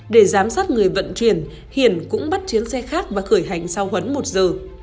để giám sát người vận chuyển hiển cũng bắt chiếc xe khác và khởi hành sau huấn một giờ